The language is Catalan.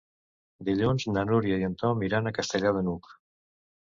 Dilluns na Núria i en Tom iran a Castellar de n'Hug.